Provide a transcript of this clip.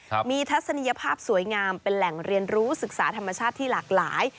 ครับมีทัศนียภาพสวยงามเป็นแหล่งเรียนรู้ศึกษาธรรมชาติที่หลากหลาย